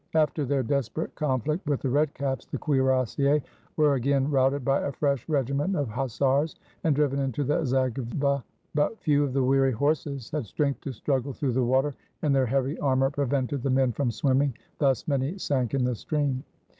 After their desperate conflict with the red caps, the cuirassiers were again routed by a fresh regiment of hus sars, and driven into the Zagyva; but few of the weary horses had strength to struggle through the water, and 355 AUSTRIA HUNGARY their heavy armor prevented the men from swimming : thus many sank in the stream.